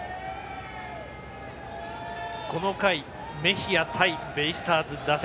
この回メヒア対ベイスターズ打線。